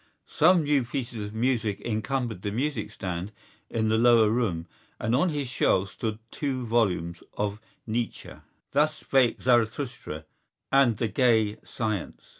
Some new pieces of music encumbered the music stand in the lower room and on his shelves stood two volumes by Nietzsche: Thus Spake Zarathustra and The Gay Science.